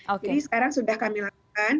oke jadi sekarang sudah kami lakukan